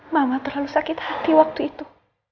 mama terlalu sakit hati waktu itu